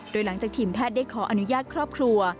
โดยหลังจากทีมแพทย์ได้ขออนุญาตครอบครัว